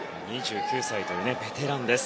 ２９歳というベテランです。